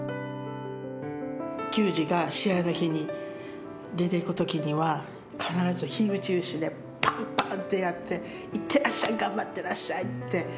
球児が試合の日に出ていく時には必ず火打ち石でパンパンってやって行ってらっしゃい頑張ってらっしゃいってやってましたね。